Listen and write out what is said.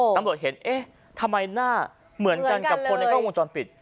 ตำรวจเห็นเอ๊ะทำไมหน้าเหมือนกันกับคนในกล้องวงจรปิด